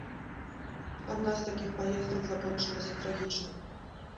Адна з такіх паездак закончылася трагічна.